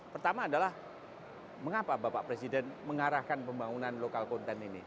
pertama adalah mengapa bapak presiden mengarahkan pembangunan lokal konten ini